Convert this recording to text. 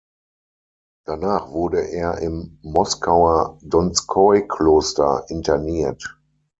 Danach wurde er im Moskauer Donskoi-Kloster interniert.